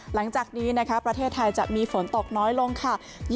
หลังจากนี้นะคะประเทศไทยจะมีฝนตกน้อยลงค่ะ